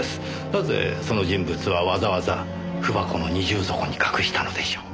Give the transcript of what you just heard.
なぜその人物はわざわざ文箱の二重底に隠したのでしょう？